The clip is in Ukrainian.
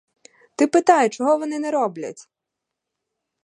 Ти питай, чого вони не роблять!